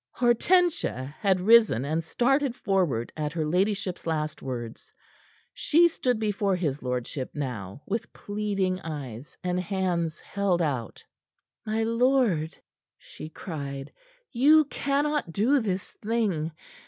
Hortensia had risen and had started forward at her ladyship's last words. She stood before his lordship now with pleading eyes, and hands held out. "My lord," she cried, "you cannot do this thing!